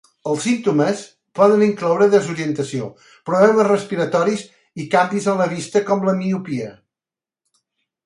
Els símptomes poden incloure desorientació, problemes respiratoris i canvis en la vista, com la miopia.